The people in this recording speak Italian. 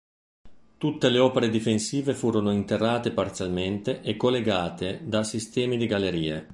Tutte le opere difensive furono interrate parzialmente e collegate da sistemi di gallerie.